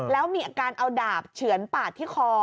แล้วมีอาการเอาดาบเฉือนปาดที่คอ